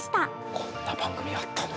こんな番組あったんだ。